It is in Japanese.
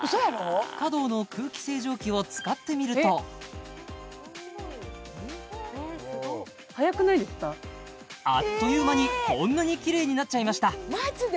ｃａｄｏの空気清浄機を使ってみるとあっという間にこんなにきれいになっちゃいましたマジで！？